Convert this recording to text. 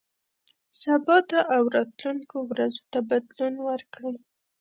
سبا ته او راتلونکو ورځو ته بدلون ورکړئ.